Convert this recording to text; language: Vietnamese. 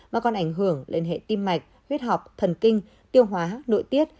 mà còn ảnh hưởng lên hệ tim mạch huyết học thần kinh tiêu hóa nội tiết